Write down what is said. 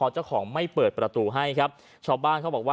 เจ้าของไม่เปิดประตูให้ครับ